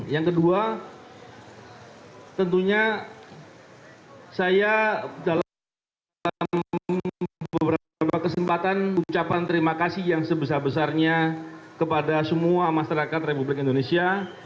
yang kedua tentunya saya dalam beberapa kesempatan ucapan terima kasih yang sebesar besarnya kepada semua masyarakat republik indonesia